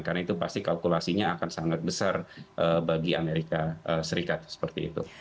karena itu pasti kalkulasinya akan sangat besar bagi amerika serikat